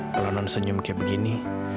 kalau non senyum kayak begini